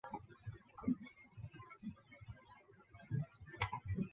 联邦快递广场是一座位于美国田纳西州曼菲斯的一座室内体育馆。